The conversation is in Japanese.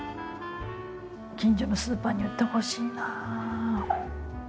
近所のスーパーに売ってほしいな。